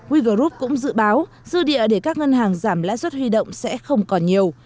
wroop cũng dự báo dư địa để các ngân hàng giảm lãi suất huy động sẽ không còn nhiều